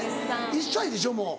１歳でしょもう。